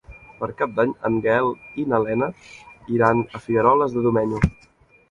Per Cap d'Any en Gaël i na Lena iran a Figueroles de Domenyo.